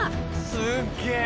すっげえ！